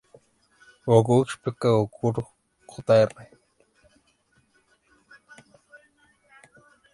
Gokū explica a Goku Jr.